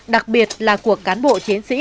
đặc biệt là cuộc cán bộ chiến sĩ